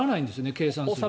計算すると。